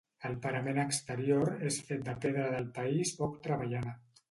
El parament exterior és fet de pedra del país poc treballada.